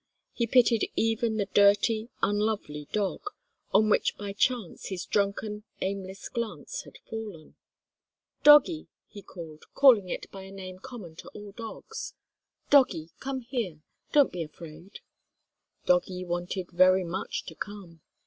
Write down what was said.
He pitied even the dirty, unlovely dog, on which by chance his drunken, aimless glance had fallen. "Doggie," said he, calling it by a name common to all dogs; "Doggie, come here, don't be afraid." Doggie wanted very much to come.